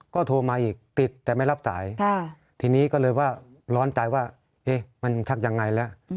ก็โทรมาอีกติดแต่ไม่รับสายทีนี้ก็เลยว่าร้อนใจว่ามันทักยังไงแล้ว